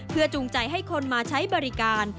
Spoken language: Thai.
จูงใจให้คนมาใช้บริการ